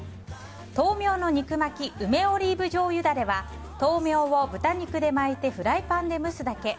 豆苗の肉巻き梅オリーブじょうゆダレは豆苗を豚肉で巻いてフライパンで蒸すだけ。